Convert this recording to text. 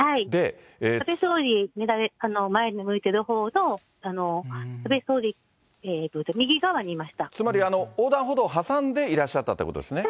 安倍総理、前に向いてるほうの安倍総理、つまり、横断歩道を挟んでいらっしゃったということですね。